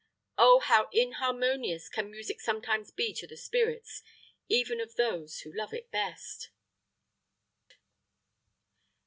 Oh, how inharmonious can music sometimes be to the spirits even of those who love it best!